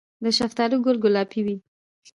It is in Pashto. د شفتالو ګل ګلابي وي؟